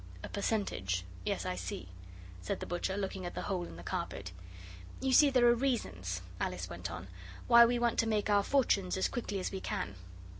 'A percentage. Yes, I see,' said the butcher, looking at the hole in the carpet. 'You see there are reasons,' Alice went on, 'why we want to make our fortunes as quickly as we can.